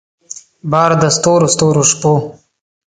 بار د ستورو ستورو شپو